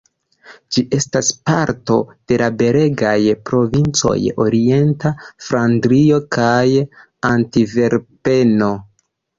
Ĝi estas parto de la belgaj provincoj Orienta Flandrio kaj Antverpeno.